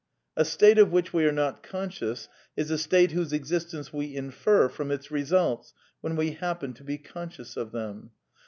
A state of which we are not conscious is a state whose existence we infer from its re sults when we happen to be conscious of them.